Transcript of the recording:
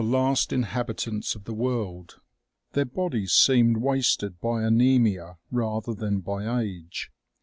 243 last inhabitants of the world. Their bodies seemed wasted by anaemia rather than by age.